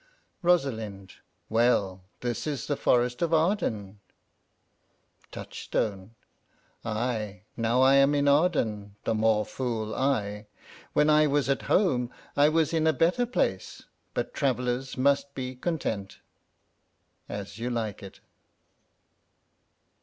Rosalind. Well, this is the forest of Arden. Touchstone. Ay, now am I in Arden: the more fool I; when I was at home I was in a better place; but travellers must be content. _As you Like it.